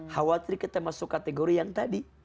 khawatir kita masuk kategori yang tadi